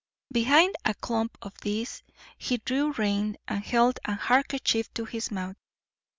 Behind a clump of this he drew rein, and held a handkerchief to his mouth.